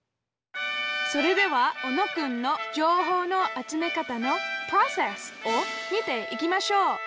それでは小野くんの「情報の集め方のプロセス」を見ていきましょう。